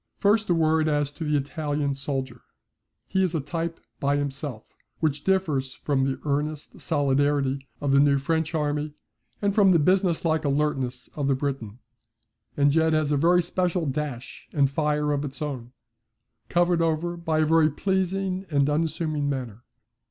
First a word as to the Italian soldier. He is a type by himself which differs from the earnest solidarity of the new French army, and from the businesslike alertness of the Briton, and yet has a very special dash and fire of its own, covered over by a very pleasing and unassuming manner.